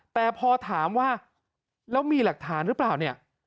แต่พอถามว่าแล้วมีหลักฐานหรือเปล่าเนี่ย